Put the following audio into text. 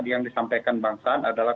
yang disampaikan bang saan adalah